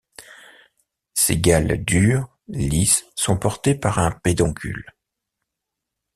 Ces galles dures, lisses sont portées par un pédoncule.